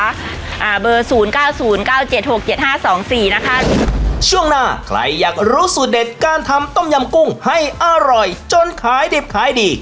อ่าเบอร์๐๙๐๙๗๖๗๕๒๔นะคะช่วงหน้าใครอยากรู้สุดเด็ดการทำต้มยำกุ้งให้อร่อยจนขายดิบขายดี